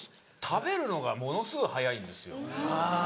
食べるのがものすごい早いんですよ。